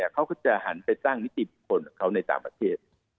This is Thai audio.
เขาก็จะหันไปตั้งนิติบุคคลของเขาในต่างประเทศ